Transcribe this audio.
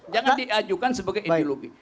jangan diajukan sebagai ideologi